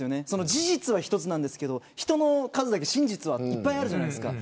事実は１つなんですけど人の数だけ、真実はいっぱいあるじゃないですか。